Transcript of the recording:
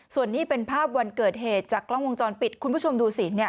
ส่วนนี้เป็นทราบวันเกิดเหตุจากกล้องวงจอนปิด